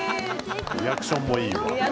リアクションもいいわ。